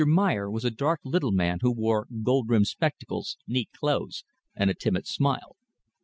Meyer was a dark little man who wore gold rimmed spectacles, neat clothes, and a timid smile.